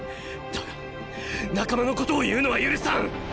だが仲間のことを言うのは許さん！